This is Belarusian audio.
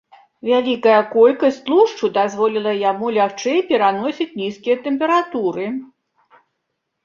Вялікая колькасць тлушчу дазволіла яму лягчэй пераносіць нізкія тэмпературы.